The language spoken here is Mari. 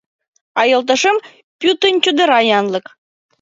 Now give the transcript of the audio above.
А йолташем — пӱтынь чодыра янлык.